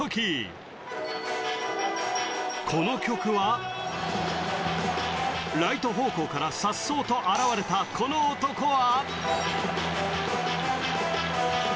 この曲はライト方向からさっそうと現れたこの男は